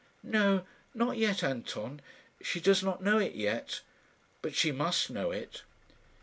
"No not yet, Anton. She does not know it yet; but she must know it."